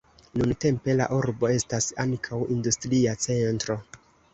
Nuntempe la urbo estas ankaŭ industria centro.